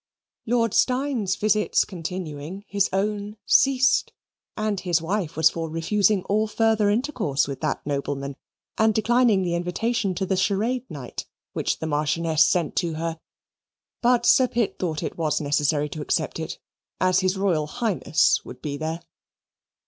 Lord Steyne's visits continuing, his own ceased, and his wife was for refusing all further intercourse with that nobleman and declining the invitation to the charade night which the marchioness sent to her; but Sir Pitt thought it was necessary to accept it, as his Royal Highness would be there.